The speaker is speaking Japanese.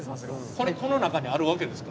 これこの中にあるわけですか。